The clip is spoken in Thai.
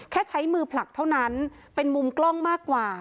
ใช้มือผลักเท่านั้นเป็นมุมกล้องมากกว่า